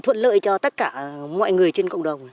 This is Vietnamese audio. thuận lợi cho tất cả mọi người trên cộng đồng